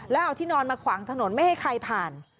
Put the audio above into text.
แล้วเอาที่นอนมาขวางถนนไม่ให้ใครผ่าน